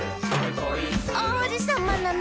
「おうじさまなの！」